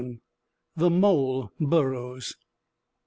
THE MOLE BURROWS.